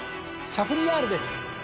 シャフリヤールです！